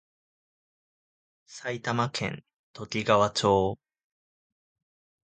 埼玉県ときがわ町